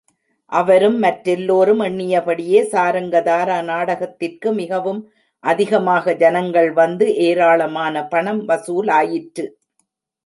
அவரும், மற்றெல்லோரும் எண்ணியபடியே, சாரங்கதரா நாடகத்திற்கு மிகவும் அதிகமாக ஜனங்கள் வந்து, ஏராளமான பணம் வசூலாயிற்று.